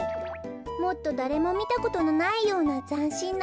もっとだれもみたことのないようなざんしんな